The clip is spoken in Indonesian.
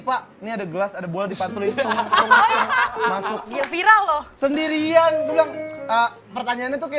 pak nih ada gelas ada boleh dipercaya masuk viral loh sendirian bilang pertanyaannya tuh